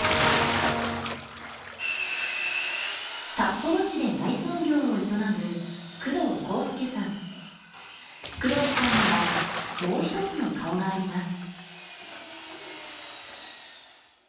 札幌市で内装業を営む工藤公督さん工藤さんにはもう一つの顔があります